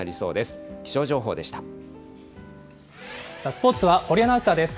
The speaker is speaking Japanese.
スポーツは堀アナウンサーです。